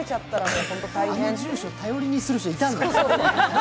あの住所頼りにする人いたんだ。